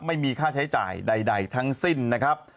ไม่มีค่าใช้จ่ายใดทั้งสิ้นนะครับ